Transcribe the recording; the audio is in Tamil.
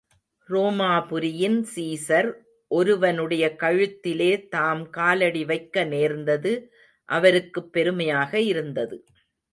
ரோமாபுரியின் சீஸர் ஒருவனுடைய கழுத்திலே தாம் காலடிவைக்க நேர்ந்தது, அவருக்குப் பெருமையாக இருந்தது.